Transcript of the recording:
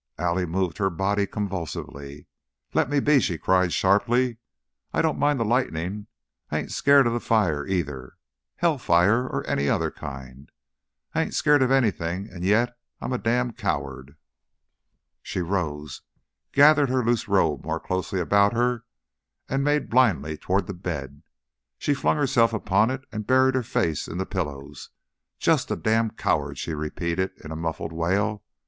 Allie moved her body convulsively. "Lemme be!" she cried, sharply. "I don't mind the lightning. I ain't scared of the fire, either hell fire or any other kind. I ain't scared of anything, and yet I'm a dam' coward!" She rose, gathered her loose robe more closely about her, and made blindly toward the bed. She flung herself upon it and buried her face in the pillows. "Just a dam' coward!" she repeated, in a muffled wail.